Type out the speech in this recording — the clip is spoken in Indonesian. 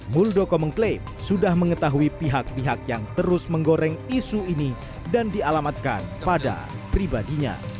muldoko mengklaim sudah mengetahui pihak pihak yang terus menggoreng isu ini dan dialamatkan pada pribadinya